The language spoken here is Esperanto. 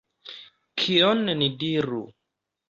Kion ni diru?